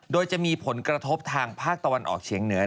โดยจะมีผลกระทบทางภาคตะวันออกเฉียงเหนือ